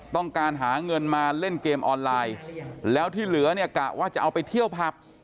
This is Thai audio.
ต้องการหาเงินมาเล่นเกมออนไลน์แล้วที่เหลือเนี่ยกะว่าจะเอาไปเที่ยวผับ